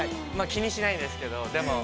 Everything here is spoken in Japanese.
気にしないですけど。